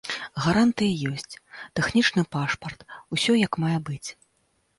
Гарантыі ёсць, тэхнічны пашпарт, усё як мае быць.